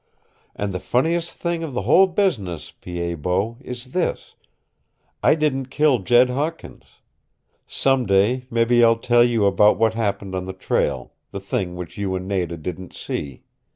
And the funniest thing of the whole business, Pied Bot, is this I didn't kill Jed Hawkins. Some day mebby I'll tell you about what happened on the trail, the thing which you and Nada didn't see.